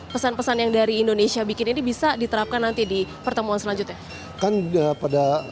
pesan pesan yang dari indonesia bikin ini bisa diterapkan nanti di pertemuan selanjutnya kan enggak pada